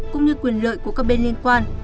cũng như quyền lợi của các bên liên quan